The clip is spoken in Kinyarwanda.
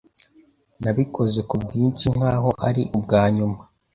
nabikoze ku bwinshi nkaho ari ubwanyuma